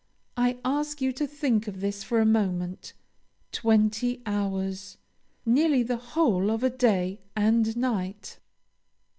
I ask you to think of this for a moment. Twenty hours! nearly the whole of a day and night.